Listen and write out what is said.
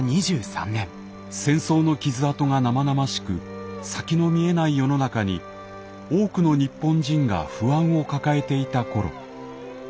戦争の傷痕が生々しく先の見えない世の中に多くの日本人が不安を抱えていた頃。